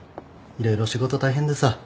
色々仕事大変でさ